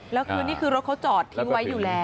แล้วคือนี่คือรถเขาจอดทิ้งไว้อยู่แล้ว